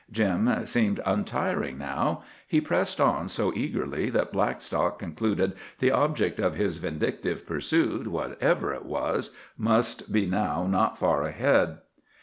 Jim seemed untiring now. He pressed on so eagerly that Blackstock concluded the object of his vindictive pursuit, whatever it was, must be now not far ahead.